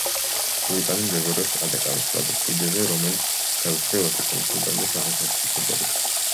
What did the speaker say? ვულკანი მდებარეობს ატაკამის პლატოს კიდეზე, რომელიც თავის მხრივ ატაკამას უდაბნოს აღმოსავლეთით მდებარეობს.